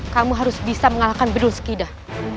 kamu harus bisa mengalahkan bedul skidah